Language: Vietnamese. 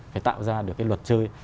phải tạo ra được cái luật chơi